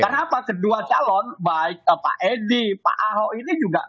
karena apa kedua calon baik pak edi pak ahok ini juga